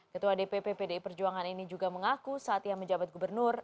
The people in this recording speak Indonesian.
ketua dpp pdi perjuangan ini juga mengaku saat ia menjabat gubernur